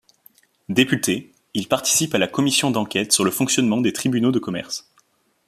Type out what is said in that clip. Député, il participe à la commission d'enquête sur le fonctionnement des tribunaux de commerce.